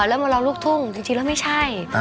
เลิกมารอลูกทุ่งดีแล้วไม่ใช่